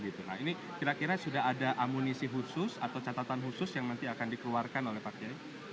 nah ini kira kira sudah ada amunisi khusus atau catatan khusus yang nanti akan dikeluarkan oleh pak kiai